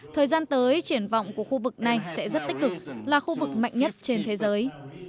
thời gian tới triển vọng của khu vực này sẽ rất tích cực là khu vực mạnh nhất trên thế giới